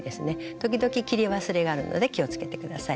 時々切り忘れがあるので気をつけて下さい。